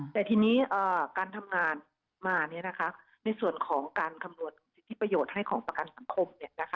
แต่ทีนี้การทำงานมาในส่วนของการคำนวณสิทธิประโยชน์ให้ของประกันสังคม